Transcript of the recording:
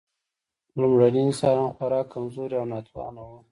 لومړني انسانان خورا کمزوري او ناتوانه وو.